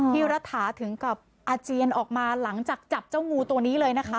รัฐาถึงกับอาเจียนออกมาหลังจากจับเจ้างูตัวนี้เลยนะคะ